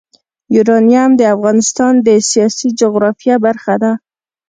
یورانیم د افغانستان د سیاسي جغرافیه برخه ده.